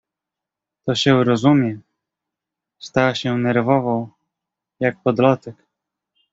"To się rozumie!“ Stała się nerwową, jak podlotek."